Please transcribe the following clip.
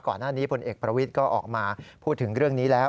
ก่อนหน้านี้พลเอกประวิทย์ก็ออกมาพูดถึงเรื่องนี้แล้ว